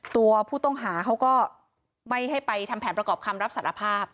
ตัวผู้ต้องหาเขาก็ไม่ให้ไปทำแผนประกอบคำรับสารภาพ